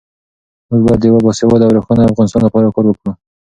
موږ باید د یو باسواده او روښانه افغانستان لپاره کار وکړو.